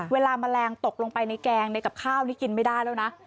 แมลงตกลงไปในแกงในกับข้าวนี่กินไม่ได้แล้วนะ